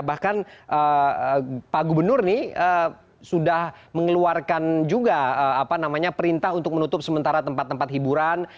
bahkan pak gubernur nih sudah mengeluarkan juga perintah untuk menutup sementara tempat tempat hiburan